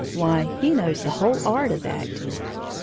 Why, he knows the whole art of acting!"